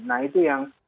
nah itu yang